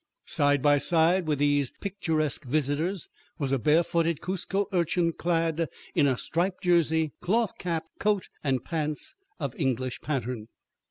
Side by side with these picturesque visitors was a barefooted Cuzco urchin clad in a striped jersey, cloth cap, coat, and pants of English pattern.